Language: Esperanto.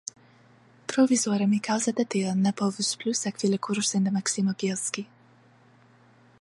Provizore mi kaŭze de tio ne povus plu sekvi la kursojn de Maksimo Bjelski.